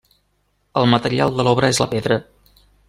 El material de l'obra és la pedra.